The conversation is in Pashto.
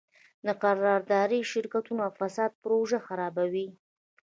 د قراردادي شرکتونو فساد پروژه خرابوي.